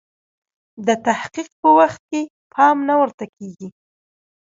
د تحقیق په وخت کې پام نه ورته کیږي.